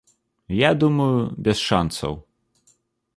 Я думаю, без шанцаў.